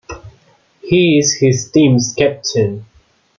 He is his team's captain.